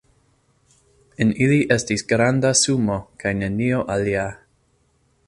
En ili estis granda sumo kaj nenio alia.